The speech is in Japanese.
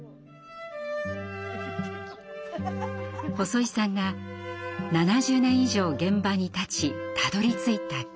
細井さんが７０年以上現場に立ちたどりついた境地。